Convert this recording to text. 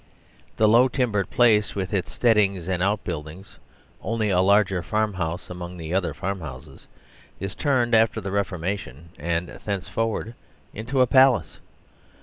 The low timbered place with its steadings and outbuildings, only a larger farmhouse among the other farmhouses, is turned after the Reformation and thenceforward into a pal ace.